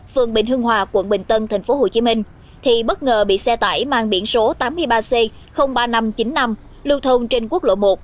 phường bình hưng hòa quận bình tân tp hcm thì bất ngờ bị xe tải mang biển số tám mươi ba c ba nghìn năm trăm chín mươi năm lưu thông trên quốc lộ một